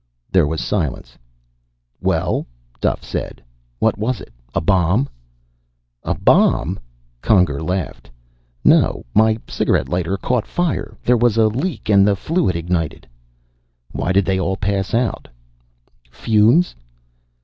There was silence. "Well?" Duff said. "What was it? A bomb?" "A bomb?" Conger laughed. "No. My cigarette lighter caught fire. There was a leak, and the fluid ignited." "Why did they all pass out?" "Fumes."